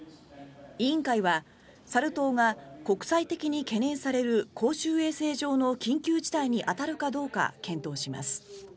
委員会はサル痘が国際的に懸念される公衆衛生上の緊急事態に当たるかどうか検討します。